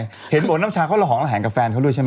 แล้วน้ำชาเขาหล่อหลังกับแฟนเขาด้วยใช่ไหม